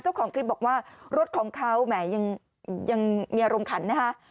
เจ้าของคลิปบอกว่ารถของเขาแหมยังมีอารมณ์ขันนะฮะ